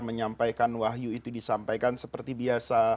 menyampaikan wahyu itu disampaikan seperti biasa